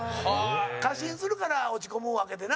過信するから落ち込むわけでな。